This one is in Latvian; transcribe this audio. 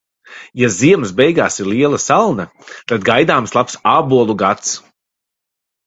Ja ziemas beigās ir liela salna, tad gaidāms labs ābolu gads.